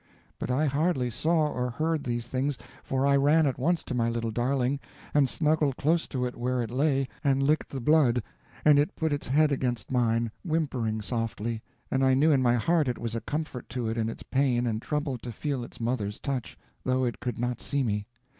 But I hardly saw or heard these things, for I ran at once to my little darling, and snuggled close to it where it lay, and licked the blood, and it put its head against mine, whimpering softly, and I knew in my heart it was a comfort to it in its pain and trouble to feel its mother's touch, though it could not see me.